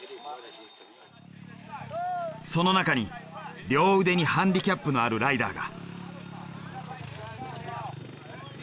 その中に両腕にハンディキャップのあるライダーが。